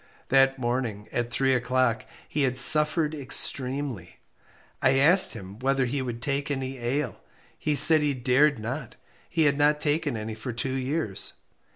That morning, at three o'clock, he had suffered extremely. I asked him whether he would take any ale. He said he dared not he had not taken any for two years.